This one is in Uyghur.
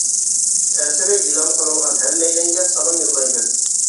ئەسىرى ئېلان قىلىنغان ھەممەيلەنگە سالام يوللايمەن.